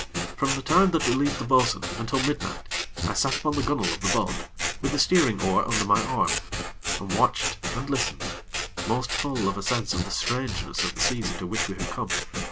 From the time that I relieved the bo'sun, until midnight, I sat upon the gunnel of the boat, with the steering oar under my arm, and watched and listened, most full of a sense of the strangeness of the seas into which we had come.